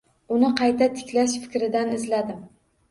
Uni qayta tiklash fikridan izladim.